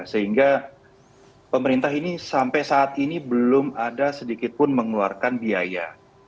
sehingga pemerintah ini sampai saat ini belum ada sedikit pun mengeluarkan biaya